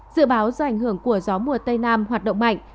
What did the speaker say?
dự báo do ảnh hưởng của gió mùa tây nam hoạt động mạnh